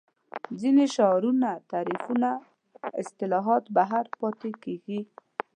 ځینې شعارونه تعریفونه اصطلاحات بهر پاتې کېږي